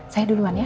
saya duluan ya